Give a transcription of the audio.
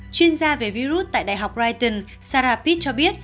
chuyên gia về virus tại đại học brighton sarah pitt cho biết